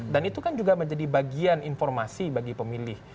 dan itu kan juga menjadi bagian informasi bagi pemilih